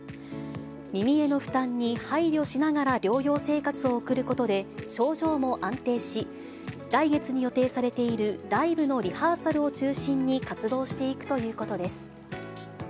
耳への負担に配慮しながら療養生活を送ることで、症状も安定し、来月に予定されているライブのリハーサルを中心に活動していくということです。